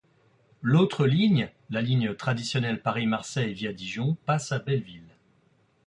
L'autre ligne, la ligne traditionnelle Paris - Marseille via Dijon passe à Belleville.